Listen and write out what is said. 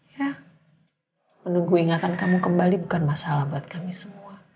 ya menunggu ingatan kamu kembali bukan masalah buat kami semua